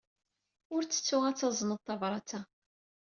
Ur ttettu ad tazneḍ tabṛat-a.